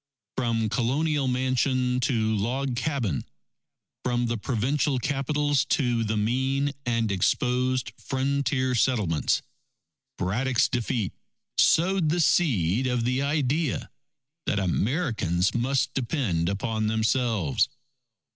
From colonial mansion to log cabin, from the provincial capitals to the mean and exposed frontier settlements, Braddock's defeat sowed the seed of the idea that Americans must depend upon themselves.